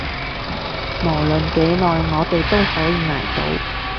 無論幾耐，我哋都可以捱到